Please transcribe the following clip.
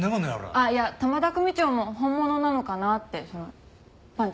あっいや玉田組長も本物なのかなってそのパンチ。